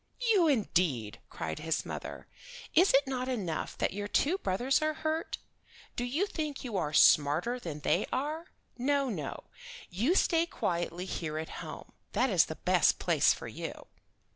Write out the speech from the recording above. "You, indeed!" cried his mother. "It is not enough that your two brothers are hurt? Do you think you are smarter than they are? No, no; do you stay quietly here at home. That is the best place for you."